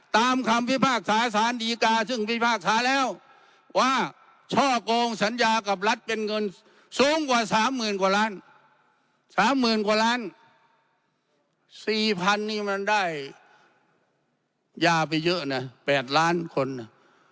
๓หมื่นกว่าล้านสี่พันนี่มันได้ยาไปเยอะน่ะแปดล้านคนน่ะ